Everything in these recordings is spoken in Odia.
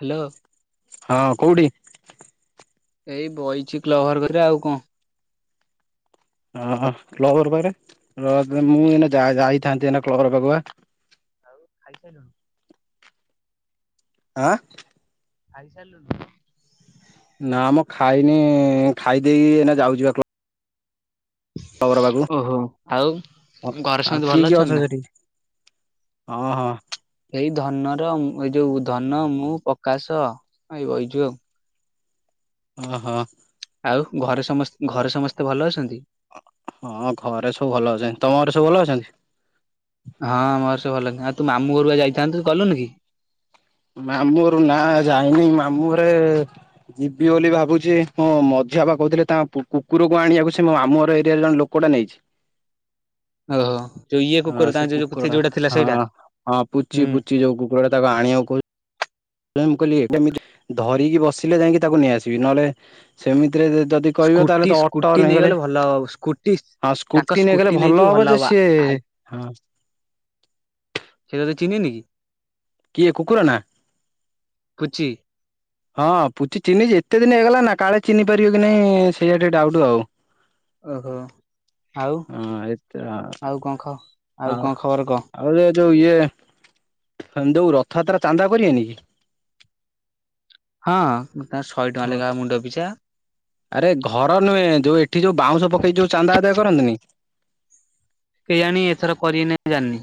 ହାଲୋ। ହଁ କୋଉଠି? ଏଇ ବଇଚି କ୍ଲବ ଘର କତିରେ ଆଉ କଣ। ଅଃ କ୍ଲବ ଘରପାଖେରେ କ୍ଲବଘର ପାଖରେ ମୁଁ ଏ ଯାଇଥାନ୍ତି ଏଇନା କ୍ଲବଘରପାଖକୁ ପା। [unintelligible] ଆଁ। ଖାଇସାରିଲୁଣି? ନାଁମ ଖାଇନି ଖାଇ ଦେଇକି ଏଇନା ଯାଉଚିପା କ୍ଲବ [unintelligible] ଆଉ କିଏ ଓହୋ ଆଉ ଘରେ ସମସ୍ତେ ଭଲ କିଏ ନା? ଅଛନ୍ତି ସେଠି? ଅ ହଁ। ଏଇ ଧନର ମୁଁ କହିଲି ଏ ଯୋଉ ଧନ ମୁଁ ପକାଶ ଏଇ ବଇଚୁ ଆଉ। ଅଃ। ଆଉ ଘରେ ସମସ୍ତ ଘରେ ସମସ୍ତେ ଭଲ ଅଛନ୍ତି? ହଁ ଘରେ ସବୁ ଭଲ ଅଛନ୍ତି ତମ ଘରେ ସବୁ ଭଲ ଅଛନ୍ତି? ହଁ ମୋର ସବୁ ଭଲ ଆଉ ତୁ ମାମୁଁ ଘରୁକୁ ପା ଯାଇଥାନ୍ତୁ ଗଲୁନିକି? ମାମୁଁ ଘରୁ ନା ଯାଇନି ମାମୁଁଘରେ ଯିବି ବୋଲି ଭାବୁଚି ହଁ ମଝିଆ ବା କୋହୁଥିଲେ ତା କୁକୁରକୁ ଆଣିବାକୁ ସେମାମୁଁଘରେ ଏରିଆରେ ଜଣେ ଲୋକ [unintelligible] ନେଇଛି। ଓହୋ ଯୋଉ ଇଏ ହଁ କୁକୁର ସେ ତାଙ୍କ ଯୋଉ କୁକୁରଟା ଯୋଉଟା ଥିଲା ସେଇଟା ହଁ ହଁ ହୁଁ। ପୁଚି ପୁଚି ଯୋଉ କୁ [unintelligible] ତାକୁ ଆଣିବାକୁ କୋହୁଚି।। ମୁଁ କହିଲିକେମିତି ଧରିକି ବସିଲେ ଯାଇଁକି ତାକୁ ନେଇଆସିବି ନହେଲେ ସେମିତିରେ ଯଦି କହିବ ତାହେଲେ ସ୍କୁଟି ତ ଅଟୋ ସ୍କୁଟି ନେଗଲେ ନେଇଗଲେ ଭଲ ହବ ସ୍କୁଟି ହଁ ସ୍କୁଟି ନେଇଗଲେ ଭଲ ହବ ଯେ ସିଏ ହଁ ସିଏ ତତେ ଚିହ୍ନିିନିକି? କିଏ କୁକୁର ନା? ପୁଚି। ହଁ ପୁଚି ଚିହ୍ନିଚିଏତେ ଦିନ ହେଇଗଲା ନା କାଳେ ଚହ୍ନି ପାରିବ କି ନାାଇଁ ସେଇଆା ଟିକେ ଡାଉଟ ଆଉ। ଓହୋ ଆଉ ହଁଏତେ ଆ ଆଉ କଣ ଖ ଆଉ କଣ ଖବର କହ? ଆଉ ଏ ଯୋଉ ଇଏ ଯୋଉ ରଥଯାତ୍ରା ଚାନ୍ଦା କରିବା ନି କି? ହଁ ତାଙ୍କର ଶହେ ଟଙ୍କା ଲେଖା ମୁଣ୍ଡ ପିଛା। ଆରେ ଘର ନୁହେଁ ଯୋଉ ଏଠି ଯୋଉ ବାଉଁଶ ପକେଇ ଯୋଉ ଚାନ୍ଦା ଆଦାୟ କରନ୍ତିନି? କେହି ଆଣି ଏଥର କରିଏନାଇ ଜାଣିନି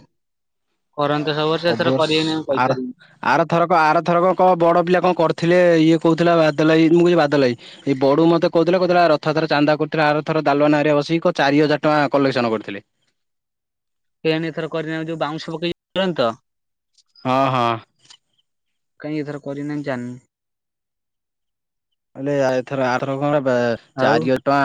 କରନ୍ତି ସବୁବର୍ଷ ସବୁ ଏଥର ବର୍ଷ କରିଏ ନାଇଁ ମୁଁ ଆର କହିପାରିବିନି। ଆରଥରକ ଆରଥରକ କହ ବଡ ପିଲା କଣ କରିଥିଲେ ଇଏ କହୁଥିଲା ବାଦଲ ଭାଇ ମୁଁ କିହିଲି ବାଦଲ ଭାଇ। ଏଇ ବଡୁ ମତେ କହୁଥିଲା କହୁଥିଲା ରଥ ଯାତ୍ରା ଚାନ୍ଦା କରୁଥିଲା ଆରଥର ଦାଲୁଆ ନାଁ ହରିକା ବସିକି କ ଚାରି ହଜାର ଟଙ୍କା କଲେକ୍ସନ କରିଥିଲେ। କେୟାଣି ଏଥର କରିନାହାନ୍ତି ଯୋଉ ବାଉଁଶ ପକେଇ କରନ୍ତି ତ? ହଁ ହଁ। କାଇଁ ଏଇଥର କରିନି ଜାଣିନି। ମାନେ ଆ ଏଥର ଆଥର କଣ ନବା ଆଉ ଚାରି ଟଙ୍କା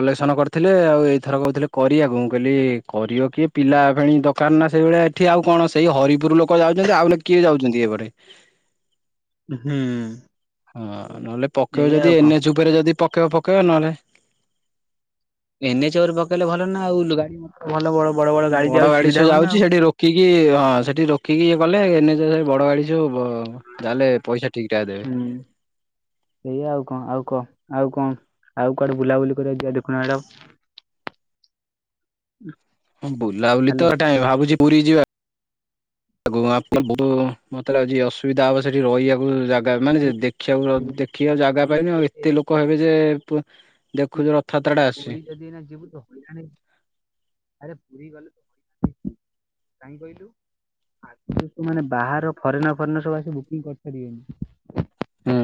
କଲେକ୍ସନ କରିଥିଲେ ଆଉ ଏଇଥର କହୁଥିଲେ କରିବାକୁ ମୁଁ କହିଲି କରିବ କିଏ? ପିଲା ଫେଣି ଦରକାର ନା ସେଇଭଳିଆ ଏଠି ଆଉ କଣ ସେଇ ହରିପୁର ଲୋକ ଯାଉଛନ୍ତି ଆଉ ବୋଲେ କିଏ ଯାଉଛନ୍ତି ଏପଟେ? ହୁଁ। ହଁ ନହେଲେ ପକେଇବ ଏଇଆ ଯଦି ଆଉ କଣ ଏନ୍ଏଚ୍ ଉପରେ ଯଦି ପକେଇବ ପକେଇବ ନହଲେ ଏନ୍‌ଏଚ୍‌ ଉପରେ ପକେଇଲେ ଭଲ ନା ଆଉ ଗାଡି ମଟର ଭଲ ବଡ ବଡ ଯାଉ ଗାଡି ସୁବିଧା ସହ ହବ ନା ଯାଉଛି ଆଉ ସେଠି ର ରଖିକି ହଁ ସେଠି ରୋକିକି ଇଏ କଲେ ଏନ୍‌ଏଚ୍ ସେ ବଡ ଗାଡି ସବୁ ହଁ ଯାହାହେଲେ ପଇସା ଠିକ୍ ଠାକ୍ ଦେବେ। ଏଇଆ ଆଉ କଣ ଆଉ କ ଆଉ କଣ ଆଉ କୁଆଡେ ବୁଲାବୁଲି କରିବାକୁ ଯିଆ ଦେଖୁନ ଆଡ଼ ହଁ ବୁଲାବୁଲି ତ ହାଲୋ। ଏ ଟାଇ ଭାବୁଛି ପୁରୀ ଯିବା। ଆ ଗୋଆ ଆପଣ ବୋଉ ମତେ ଲାଗୁଚି ଅସୁବିଧା ହବ ସେଠି ରହିବାକୁ ଯା ମାନେ ଯେ ଦେଖିବାକୁ ଦେଖିବା ଜାଗା ପାଇବେ ଆଉ ଏତେ ଲୋକ ହେବେ ଯେ ଦେଖୁଛୁ ରଥଯାତ୍ରା ଟା ପୁରୀ ଆସୁଛି। ଯଦି ଏଇନା ଜିବୁ ଦୋକାନୀ ଆରେ ପୁରୀ ଗଲେ କାହିଁ କହିଲୁ ଆ ମାନେ ବାହାର ଫରେନ୍‌ ଫରେନ୍‌ ସବୁ ଆସି ବୁକିଂ କରିସାରିବେଣି। ହୁଁ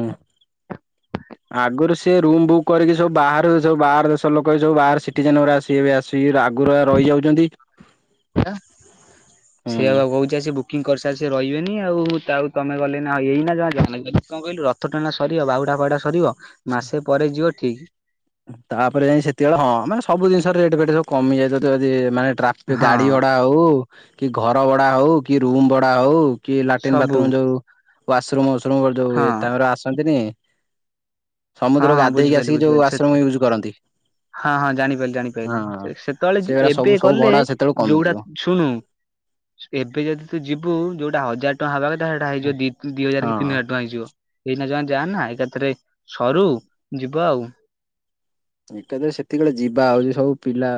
ଆଗରୁ ସିଏ ରୁମ୍ ବୁକ୍ କରିକି ସବୁ ବାହାରୁ ସବୁ ବାହାରରେ ଲୋକ ଏ ସବୁ ବାହାର ସିଟିଜନ୍ ଗୁରା ଆସିକି ଏବେ ଆସିକି ଆଗରୁ ରହିଯାଉଛନ୍ତି। ହେଲା ହୁଁ ସେଇବା କହୁଚି ଆସି ବୁ ବୁକିଂ କରିସାରି ସେ ରହିବେନି ଆଉ ଆଉ ତମେ ଗଲେ ନା ଏଇନା ଜଣ ଜଣା ଗଲେ କଣ କହିଲୁ ର ରଥ ଟଣା ସରିବ ବାହୁଡା ଫାଉଡା ସରିବ ମାସେ ପରେ ଯିବ ଠିକ୍। ତାପରେ ଯାଇକି ସେତେବେଳେ ହଁ ମାନେ ସବୁ ଜିନିଷ ରେଟ୍‌ ଫେଟ୍‌ ସବୁ କମିଯାଇଥାଏ ତ ଯଦି ମାନେ ଟ୍ରାଫିକ୍‌ ହଁ ଗାଡି ଭଡା। ହୋଉ କି ଘର ଭଡା ହଉ କି ରୁମ୍ ଭଡା ହଉ କି ଲାଟିନ୍ ବାଥ୍ ସବୁ ରୁମ୍ ଯୋଉ ୱାସରୁମ୍ ୱାସରୁମ୍ ଯୋଉ ହଁ ହୁଏ ତାଙ୍କର ଆସନ୍ତିନି। ହଁ ସମୁଦ୍ରକୁ ହଁ ଗାଧେଇକି ବୁଝିପାରିଲି ଆସିକି ବୁଝିପାରିଲି ଯୋଉ ସେ ଆଶ୍ରମ ୟୁଜ୍‌ କରନ୍ତି। ହଁ ହଁ ଜାଣିପାରିଲି ହଁ ଜାଣିପାରିଲି ସେତେବେଳେ ସେଗୁଡା ସବୁ ଏବେ ସବୁ ଗଲେ ଭଡା ସେତେବେଳୁ ଯୋଉଟା କମିଯିବ ଶୁଣୁ ଏବେ ଯଦି ତୁ ଯିବୁ ଯୋଉଟା ହଜାର ଯୋଉଟା ହବା କଥା ସେଇଟା ହଁ ହେଇଯିବ ଦି ହଜାର ତିନି ହଜାର ଟଙ୍କାଇଯିବ ଏଇନା ଯମା ଯାଆନା ଏକାଥରେ ସରୁ ଯିବା ଆଉ। ଏଇଟା ତ ସେତିକିବେଳେ ଯିବା ହୋଉଛି ସବୁ ପିଲା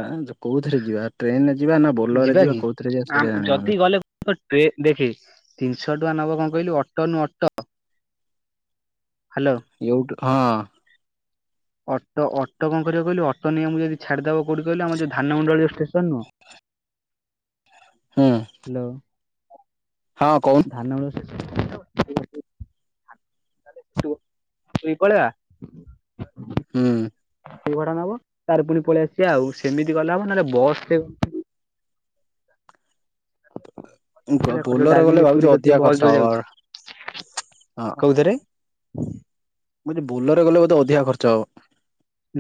କୋଉଥିରେ ଯିବା ଟ୍ରେନ୍ ରେ ଯିବା ନା ବୋଲର ଯିବା କଉଥିରେ ଯିବା ସେଇଟା ଜାଣିହୋଉନି। ଟେ ଦେଖି ତିନିଶହ ଟଙ୍କା ନବ କଣ କହିଲୁ ଅଟୋନୁ ଅଟୋ। ହ୍ୟାଲୋ ଏଉଠୁ ହଁ। ଅଟୋ ଅଟ କଣ କରିବ କହିଲୁ ଅଟୋ ନେଇ ଆମକୁ ଛାଡିଦବ କୋଉଠି କହିଲୁ ଆମର ଯଉ ଧାନମଣ୍ଡଳି ଯୋଉ ଷ୍ଟେସନ ନୁହଁ। ହୁଁ। ହ୍ୟାଲୋ। ହଁ କହୁନ୍? ଧାନ [unintelligible] ତୁ ତୁଇପଳେଆ। ଉୁଁ। ସେଇ ଭଡାନବ ତାପରେ ପୁଣି ପଳେଇଆସିବା ଆଉ ସେମିତି ଗଲେ ହବ ନହେଲେ ବସରେ ଖର୍ଚ୍ଚ ବୋଲରରେ ଗଲେ ଡାଇରେକ୍ଟ ଭାବୁଛି ଅଧିକା ଖର୍ଚ୍ଚହବ। କଉଥିରେ। ମୁଁ କହୁଥିଲି ବୁଲୋରରେ ଗଲେ ବୋଧେ ଅଧିକା ଖର୍ଚ୍ଚହବ।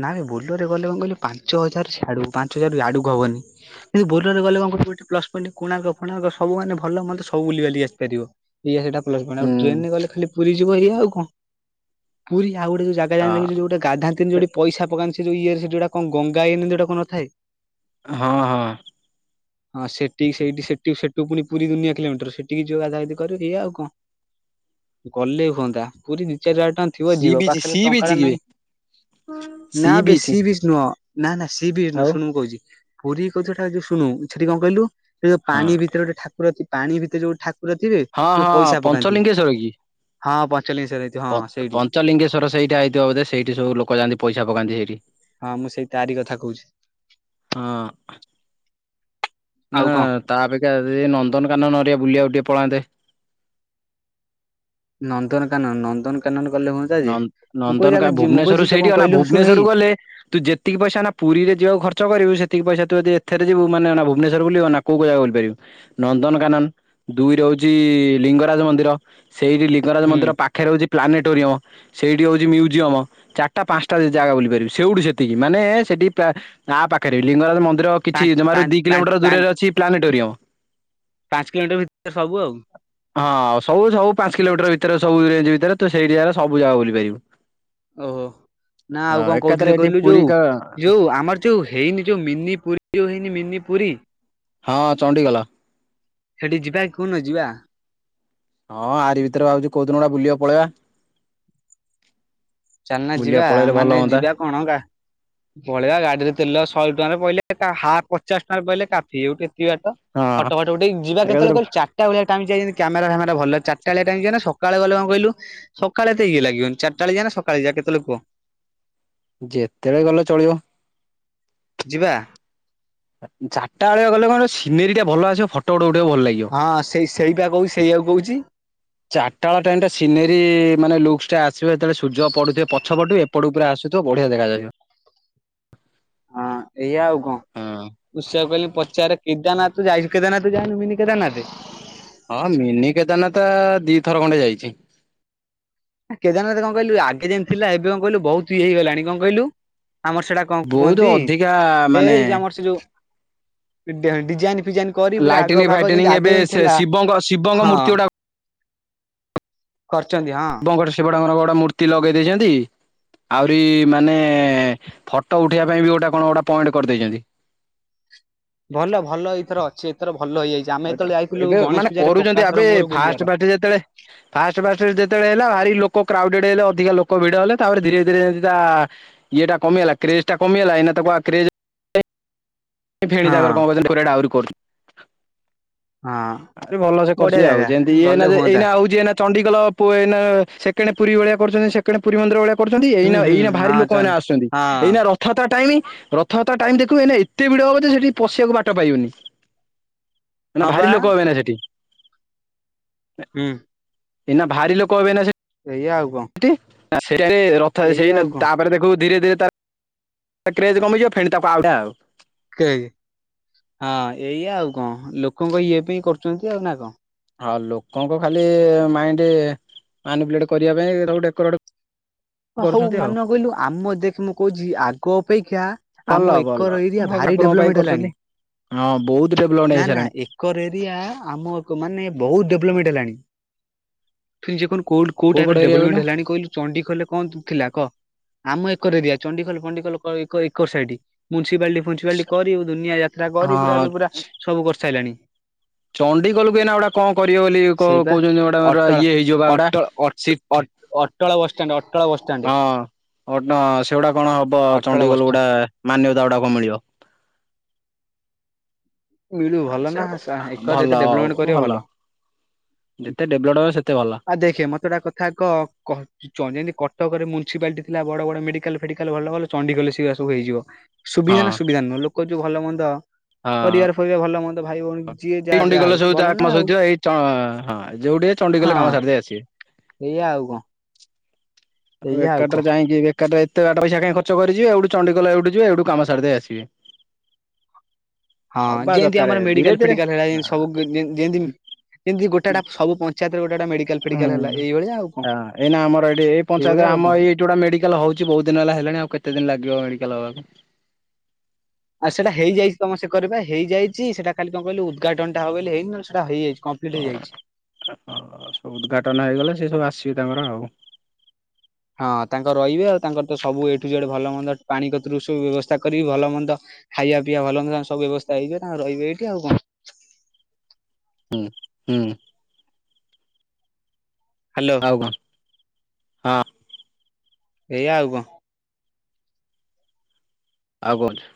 ନାଁବେ ବୋଲୋରରେ ଗଲେ କଣ କହିଲୁ ପାଞ୍ଚ ହଜାର ସିଆଡୁ ପାଞ୍ଚ ହଜାର ଇଆଡୁକୁ ହବନି। ଯଦି ବୋଲୋରରେ ଗଲେ କଣ ଗୋଟେ ପ୍ଲସ ପଏଣ୍ଟ କୋଣାର୍କ ଫୋଣାର୍କ ସବୁ ମାନେ ଭଲମନ୍ଦ ସବୁ ବୁଲିିବାଲିକି ଆସିପାରିବ। ପିଏ ସେଟାପ। ପ୍ଲସ ପଏଣ୍ଟ ଆଉ ହୁଁ। ଟ୍ରେନରେ ଗଲେ ଖାଲି ପୁରୀଯିବ ଏଇଆ ଆଉ କଣ ପୁରୀ ଆଉ ଗୋଟେ ଯୋଉ ଜାଗା ଯାଆନ୍ତି ଦେଖୁଚ ହଁ। ଯୋଉ ଗୋଟେ ଗାଧାନ୍ତିନି ଯୋଉଠି ପଇସା ପକାନ୍ତି ସେଯୋଉ ଇଏର ସେ ଯୋଉଟା କଣ ଗଙ୍ଗା ଏଇନା [unintelligible] କଣ ନଥାଏ। ହଁ ହଁ ହଁ ସେଠିକି ସେଇଠି ସେଠି ସେଠୁ ପୁଣି ପୁରି ଦୁନିଆ କିଲୋମିଟର ସେଠିକି ଯିବ ଗାଧାଗାଧି କରିବ ଏଇଆ ଆଉ କଣ? ଗଲେ ହୁଅନ୍ତା ପୁରୀ ଦି ଚାରି ହଜାର ଟଙ୍କା ଥିବ ସି ଯିବ ବିଚ୍ ସି ପାଖରେ ବିଚ୍ ଟଙ୍କାଟେ କି ନାହିଁ। ସି ନାବେ ବିଚ୍ ସିବିଜ ନୁହଁ ନାଁ ନାଁ ସିବିଜ ନୁହଁ ଆଉ ଶୁଣୁ ମୁଁ କହୁଛି। ପୁରୀ କଥାଟା ଯୋଉ ଶୁଣୁ ସେଠି କଣ କହିଲୁ ସେ ଯୋଉ ହଁ ପାଣି ଭିତରେ ଠାକୁର ଅଛି ପାଣି ଭିତରେ ଯୋଉ ଠାକ। ହଁ ହଁ ପଞ୍ଚଲିଙ୍ଗେଶ୍ଵର କି? ହଁ ପଞ୍ଚଲିଙ୍ଗେଶ୍ୱର ହେଇଥିବ ହଁ ପଞ୍ଚ ସେଇଠି ପଞ୍ଚଲିଙ୍ଗେଶ୍ଵର ସେଇଟା ହେଇ ଥିବ ବୋଧେ ସେଇଠି ସବୁ ଲୋକ ଯାଆନ୍ତି ପଇସା ପକାନ୍ତି ସେଇଠି। ହଁ ମୁଁ ସେଇ ତାଆରି କଥା କହୁଛି। ଆଉ ନାଁ କଣ ତା ଅପେକ୍ଷା ରେ ନନ୍ଦନକାନନ ହେରିକା ବୁଲିବାକୁ ଟିକିଏ ପଳାନ୍ତେ। ନନ୍ଦନକାନନ ନନ୍ଦନକାନନ ଗଲେ ହୁଅ ନନ୍ଦ ନନ୍ଦନକା ଭୁବନେଶ୍ୱରରୁ ସେଇଠି ଅନା କହିଲୁ ଶୁଣୁ ଏଇ ଭୁବନେଶ୍ୱରୁ ଗଲେ ତୁ ଯେତିକି ପଇସା ଅନା ପୁରୀରେ ଯିବାକୁ ଖର୍ଚ୍ଚ କରିବୁ ସେତିକି ପଇସା ତୁ ଯଦି ଏଥିରେ ଯିବୁ ମାନେ ଅନା ଭୁବନେଶ୍ୱର ବୁଲିବ ନାଁ। କୋଉ କୋଉ ଜାଗା ବୁଲିପାରିବୁ ନନ୍ଦନକାନନ ଦୁଇରେ ହଉଛି ଲିଙ୍ଗରାଜ ମନ୍ଦିର ସେଇଠି ଲିପ ଲିଙ୍ଗରାଜ ହୁଁ ମନ୍ଦିର ପାଖରେ ହଉଛି ପ୍ଲାନେଟୋରିୟମ ସେଇଠି ହଉଛି ମ୍ୟୁଜିୟମ। ଚାରିଟା ପାଞ୍ଚଟା ଜାଗା ବୁଲି ପାରିବି ସେଉଠୁ ସେତିକି ମାନେ ସେଠି ପ୍ରାୟ ଗାଁ ପାଖରେ ଲିଙ୍ଗରାଜ ମନ୍ଦିର। କିଛି ପାଞ୍ଚ ଜମାରୁ ପାଞ୍ଚ ଦି ପାଞ୍ଚ କିଲୋମିଟର ପାଞ୍ଚ ଦୂରରେ ଅଛି ପ୍ଲାନେଟୋରିୟମ। ପାଞ୍ଚ କିଲୋମିଟର ଭି ଭିତରେ ସବୁ ଆଉ। ହଁ ସବୁ ସବୁ ପାଞ୍ଚ କିଲୋମିଟର ଭିତରେ ସବୁ ରେଞ୍ଜ ଭିତରେ ତ ସେଇଠି ଜାଗା ସବୁଜାଗା ବୁଲିପାରିବୁ। ଓହୋ ନାଁ ଆଉ କଣ କହୁଥିଲି କହିଲୁ ପୁରୀ ଯୋଉ କା ଯୋଉ ଆମର? ଯୋଉ ହେଇନି ଯୋଉ ମିନିପୁରୀ ଯୋଉ ହେଇନି ମିନିପୁରୀ। ହଁ ଚଣ୍ଡିଗୋଲ। ସେଠିକି ଯିବାକି କୋଉଦିନ ଯିବା। ହଁ ଆରି ଭିତରେ ଭାବୁଚି କୋଉ ଦିନ ଗୋଟେ ବୁଲିବାକୁ ପଳେଇବା। ଚାଲୁନ ଯିବା ବୁଲିବାକୁ ପଳେଇଲେ ଭଲ ମାନେ ହୁଅନ୍ତା। ଯିବାକଣ ଗା ପଳେଇବା ଗାଡିରେ ତେଲ ଶହେ ଟଙ୍କାରେ ପଇଲେ ତା ହାପ ପଚାଶ ଟଙ୍କାରେ ପଇଲେ କାଫି ଆଉ କେତିକି ବାଟ? ହଁ ଫଟ ଫଟ ଉଠେଇ ଯିବା ଏକାଥରେ କେତେବେଳେ କହିଲୁ ଚାରି ଚାରିଟାବେଳିଆ ଟାଇମ୍ ଯାଇ ଯେମିତି କ୍ୟାମେରା ଫାମେରା ଭଲ ଚାରିଟାବେଳିଆ ଟାଇମ ଯିବାନା ସକାଳେ ଗଲେ କଣ କହିଲୁ? ସକାଳେ ଏତେ ଇଏ ଲାଗିବନି ଚାରିଟାରେ ଯିବାନା ସକାଳେ ଯିବା କେତେବେଳେ କୁହ। ଯେତେବେଳେ ଗଲେ ଚଳିବ। ଯିବା। ଚାରିଟାବେଳିଆ ଗଲେ କଣ ସିନେରୀଟା ଭଲ ଆସିବ ଫଟୋ ଫୋଟ ଉଠେଇ ବାକୁ ଭଲ ଲାଗିବ? ହଁ ସେଇ ସେଇପା କହୁ ସେଇଆକୁ କହୁଛି। ଚାରଟାବେଳ ଟାଇମ୍ ଟା ସିନେରୀ ମାନେ ଲୁକ୍ସ ଟା ଆସିବ ଯେତେବେଳେ ସୁର୍ଯ୍ୟ ପଡୁଥିବେ ପଛ ପଟେ। ପଡୁ ଉପରେ ଆସୁଥିବ ବଢିଆ ଦେଖାଯାଏ। ହଁ ସେଇଆ ଆଉ କଣ। ହଁ ଉଷାକୁ କହିଲି ପଚାରେ କେଦାନାଥ ଯାଇଛୁ କେଦାରନାଥ ଯାଇନୁ ମିନି କେଦାରନାଥ। ହଁ ମିନି କେଦାରନାଥ ଦୁଇ ଥର ଖଣ୍ଡେ ଯାଇଛି। କେଦାରନାଥ କଣ କହିଲୁ ଆଗେ ଯେମିତି ଥିଲା ଏବେ କଣ କହିଲୁ ବହୁତ ଇଏ ହେଇଗଲାଣି କଣ କହିଲୁ ଆମର ସେଇଟା। କଣ ବହୁତ କୁହନ୍ତି ଅଧିକା ଏ ମାନେ ଆମର ସେ ଯୋଉ ଡିଜାଇନ ଫିଜାଇନ। କରି ପୁରା ଆଗ ଲାଇଟିନିଂ ଫାଗ ଫାଇଟିନିଂ ଯେମିତି ଏବେ ଆଗେ ସେ ଥିଲା ଶିବଙ୍କ ଶିବଙ୍କ ହଁ। ମୂର୍ତ୍ତି ଗୁଡା କରିଚନ୍ତି ହଁ। ସେପଟେ ଆମର ବଡ଼ ମୂର୍ତ୍ତି ଲଗେଇ ଦେଇଛନ୍ତି। ଆହୁରି ମାନେ ଫଟୋ ଉଠେଇିବା ପାଇଁ ବି ଗୋଟେ କଣ ଗୋଟେ ପଏଣ୍ଟ କରିଦେଇଛନ୍ତି। ଭଲ ଭଲ ଏଇଥର ଅଛି ଏଥର ଭଲ ହେଇଯାଇଛି। ଆମେ ଯେତେବେଳେ ଏଇଥର ଯାଇଥିଲୁ ଏବେ ଗଣେଶ ମାନେ ପୂଜାରେ କରୁଛନ୍ତି ପ୍ରକାଶର ଏବେ ମୋର ଗୁଲିଆର। ଫାଷ୍ଟ ଫଷ୍ଟେ ଯେତେବେଳେ। ଫାଷ୍ଟ ଫାଷ୍ଟ ଯେତେବେଳେ ହେଲା ଭାରି ଲୋକ କ୍ରାଉଡେଡ ହେଲେ ଅଧିକା ଲୋକ ଭିଡ ହେଲେ ତାପରେ ଧୀରେ ଧୀରେ ଯେତା। ଇଏଟା କମି ହେଲା କ୍ରେଜ ଟା କମି ହେଲା ଏଇ ତ କ କ୍ରେ। ଫେଣି ହଁ ତା କଣ ପୁରାଡାଉରି କରୁଛନ୍ତି। ହଁ। ଆଉଟିକେ ଭଲ ସେ ବଢିଆ କରୁଛି ଆଉ ଜାଗା ଯେମିତି ଇଏ ଗଲେ ହୁଅନ୍ତା ଏଇନା ହୋଉଛି। ଚଣ୍ଡିଖୋଲ ପୁ ଅ ସେକେଣ୍ଡେ ପୁରୀ ଭଳିଆ କରୁଛନ୍ତି ସେକେଣ୍ଡେ ପୁରୀ ମନ୍ଦିର ଭଳିଆ ଚ। କରୁଛନ୍ତି ଏଇ ହୁଁ ହୁଁ ଏଇନା ଭାରି ହଁ ଚ ଲୋକମାନେ ଆସୁଛନ୍ତି ହଁ ଏଇନା ର। ରଥଯାତ୍ରା ଟାଇମି ରଥଯାତ୍ରା ଟାଇମ୍ ଦେଖୁବୁ ଏ ଏତେ ଭିଡ ହବ ଯେ ସେଠି ପଶିବାକୁ ବାଟ ପାଇବୁନି। ଏଇନା ହଁ ଭାରି ବା ଲୋକ ହବେନା ସେଠି। ହୁଁ। ଏଇନା ଭାରି ଲୋକ ହବେ ନା ସେଠି। ସେଇଆ ଆଉ କଣ। ସେ ରଥ ଏଇଆ ଆଉ ସେଇ କଣ ତାପରେ ଦେଖୁ ଧୀରେ ଧୀରେ। କ୍ରେଜ କମିଯିବ ଫେଣି ତକୁ ଆଉଟା ଆଉ। ହଁ ଏଇୟା ଆଉ କଣ ଲୋକଙ୍କ ଇଏ ପାଇଁ କରୁଛନ୍ତି ଆଉ ନା କଣ। ଆଉ ଲୋକଙ୍କ ଖାଲି ମାଇଣ୍ଡ ମାଇନିପ୍ଲେଟ କରିବା ପାଇଁ ଅରାକୁ ଡକୁରେଟ। ହଉ ମାନେ କହିଲୁ ଆମ ଦେଖ ମୁଁ କହୁଛି ଆଗ ଅପେକ୍ଷା। ଭଲ ଆମ ଭଲ ଏକର ଏରିଆ ଭାରି ଠାକୁରଙ୍କ ପାଇଁ ଡେଭଲପମେଣ୍ଟ ହେଲାଣି କରୁଛନ୍ତି। ହଁ ବହୁତ ଡେଭଲପମେଣ୍ଟ ନା ନା ହେଇସାରିଲାଣି ଏକ। ଏକର ଏରିଆ ଆମ ମାନେ ବହୁତ ଡେଭଲପମେଣ୍ଟ ହେଲାଣି ଯେ କଣ କୋଉଠ। କୋଉ କଉଟାଇପ୍ ପଟ ର ଏରିଆ ଡେଭଲମେଣ୍ଟ ହେଲାଣି କହିଲୁ ଚଣ୍ଡିଖୋଲ ରେ। କଣ ଥିଲା କହ ଆମ ଏକର ଏରିଆ ଚଣ୍ଡିଖୋଲ ଫଣ୍ଡିଖୋଲ ଏକ ଏକର ସାଇଡ। ମ୍ୟୁନିସିପାଲିଟି ଫ୍ୟୁଲିସିପାଲିଟି କରି ଦୁନିଆ ଯାତ୍ରା କରି ପୁରା ଏ ହଁ ପୁରା ସବୁ କରିସାରିଲାଣି। ଚଣ୍ଡିଖୋଲ କୁ ଆଇନା ଗୋଟା କଣ କରିବେ ବୋଲି ସେଇବା କହୁଛନ୍ତି ଗୋଟ ଅଟଳ ଇଏ ହେଇଯିବ ବା ଗୋଟା ଅଟଳ ଅଟ ସିଟ। ଅଟ ଅଟଳ ବସଷ୍ଟାଣ୍ଡ ଅଟ। ହଁ ଅଟ ସେଗୁଡା କଣ ହବ ଅଟଳ ଚଣ୍ଡଡିଗୋଲ ବସଷ୍ଟାଣ୍ଡ। ଗୁଟେ ମାନ୍ୟତା କଣ ମିଳିବ। ମିଳୁ ଭଲ ନା ସା ଏକରେ ଭଲ ଯେତେ ଡେଭଲମେଣ୍ଟେ କରିବ ଭଲ। ଯେତେ ଡେଭଲପ୍ ହବ ସେତେ ଭଲ। ଆଉ ଦେଖେ ମତେଟା କଥା କହ କ। ଯେମିତି କଟକରେ ମ୍ୟୁନିସିପାଲିଟି ଥିଲା ବଡ ବଡ ମେଡିକାଲ ଫେଡିକାଲ ଭଲ ଚଣ୍ଡିଗଲେ ସେଇା ସବୁ ହେଇଯିବ। ହଁ ସୁବିଧା ନା ସୁବିଧା ନୁହଁ ଲୋକ ଯୋଉ ଭଲ ହୁଅନ୍ଦ ହଁ। ପରିବାର ଫିବା ଭଲ ହୁଅତା ଭାଇ ଭଉଣୀ। ଯିଏ ଏଇ ଯାହାର ଚଣ୍ଡି ଯାହା ଗଲେ ହଉଛି ସବ ଭଲ ନା କାମ ଆଉ ସଉଥିବ ଏଇ ହଁ ଯୋଉଠି ଚଣ୍ଡି ଗଲେ ହଁ କାମ ସାରି ଦେଇେଇ ଆସିବେ। ଏଇଆ ଆଉ କଣ। ଆଉ ଏଇଆ କଣ ଏକାଠାରେ ଯାଇକି ଏକାଟରେ ଏତ ବାଟ ପଇସାଁ ଖର୍ଚ୍ଚିବ ଏଉଠୁ ଚଡିଗଲ ଏଇଠୁ ଯିବ ଏଇଠୁ କାମ ସା ଦେଇ ଆସିବେ [inaudible] ହଁ ହବା ଯେମିତି ଦରକାରେ ଆମର ଧୀରେ ମେଡିକାଲ ଧୀରେ ଫେଡିକାଲ ହେଲା ନା ଯେନ୍ତି ସବୁ ଗ ଯେନ ଯେମତି ଏମତି ଗୋଟାଟା ସବୁ ପଞ୍ଚାୟତରେ ଗୋଟାେ ଗୋଟା ମେଡିକ ହୁଁ ଏଇନା ଆମର ଏଇଠି ଏଇ ସେଇଭଳିଆ ପଞ୍ଚାୟତରେ ଆଉ ଆମ କଣ। ଏଇ ଯୋଉଟା ମେଡିକାଲ ହୋଉଛି ବହୁଦିନ ହେଲା ହେଲାଣି ଆଉ କେତେ ଦିନ ଲାଗିବ ମେଡିକାଲ ହବାକୁ? ଆଉ ସେଟା ହେଇଯାଇଛି ତମ ସେକରେ କରିବା ହେଇଯାଇଛି ସେଟା ଖାଲି କଣ କହିଲୁ ଉଦ୍ଘାଟନ ହବ ବୋଲି ହେଇନି ନହେଲେ ସେଟା ହେଇଯାଇଛି କମ୍ପ ପ୍ଲିଟ ହେଇଯାଇଛି। ହ ସବୁ ଉଦ୍ଘାଟନ ହେଇଗଲେ ସେ ସବୁ ଆସିବେ ତାଙ୍କର ଆଉ। ହଁ ତାଙ୍କ ରହିବେ ଆଉ ତାଙ୍କର ତ ସବୁ ଏଠୁ ଯେ ଭଲ ମନ୍ଦ ପାଣି କତରୁ ସବୁ ବ୍ୟବସ୍ଥା କରିବି ଭଲ ମନ୍ଦ ଖାଇବା ପିଇବା ଭଲମନ୍ଦ ତା ସବୁ ବ୍ୟବସ୍ଥା ହେଇଯିବ ତାଙ୍କର ରହିବେ ଏଇଠି ଆଉ କଣ। ହୁଁ ହୁଁ। ହ୍ୟାଲୋ ଆଉ କଣ ହଁ ଏଆ ଆଉ କଣ। ଆଉ କଣ ଅଛି।